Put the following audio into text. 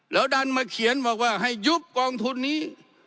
แล้วดันมาเขียนบอกว่าให้ยุบกองทุนนี้